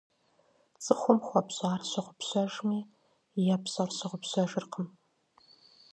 ЦӀыхум хуэпщӀэр щыгъупщэжми, епщӀэр щыгъупщэжыркъым.